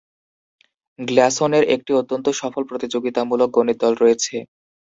গ্ল্যাসনের একটি অত্যন্ত সফল প্রতিযোগিতামূলক গণিত দল রয়েছে।